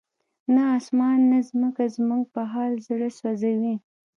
نه اسمان او نه ځمکه زموږ په حال زړه سوځوي.